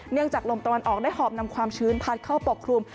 ลมจากลมตะวันออกได้หอบนำความชื้นพัดเข้าปกครุม